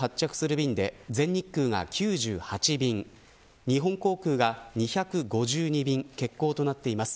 便で全日空が９８便日本航空が２５２便欠航となっています。